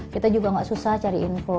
kita juga gak susah cari info